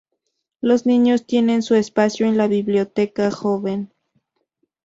Los niños tienen su espacio en la Biblioteca Joven.